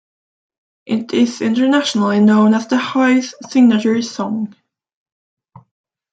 It is internationally known as the Hives' signature song.